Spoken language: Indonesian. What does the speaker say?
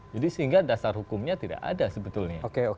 jadi sehingga dasar hukumnya tidak ada sebetulnya